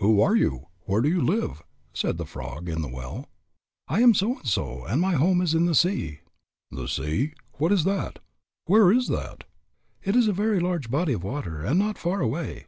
"Who are you? Where do you live?" said the frog in the well. "I am so and so, and my home is in the sea." "The sea? What is that? Where is that?" "It is a very large body of water, and not far away."